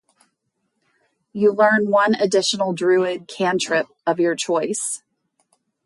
You learn one additional druid cantrip of your choice.